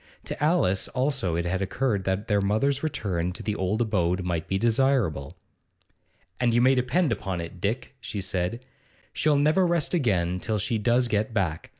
To Alice also it had occurred that their mother's return to the old abode might be desirable. 'And you may depend upon it, Dick,' she said, 'she'll never rest again till she does get back.